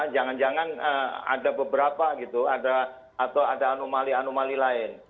jangan jangan ada beberapa gitu atau ada anomali anomali lain